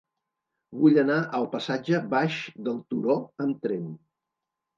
Vull anar al passatge Baix del Turó amb tren.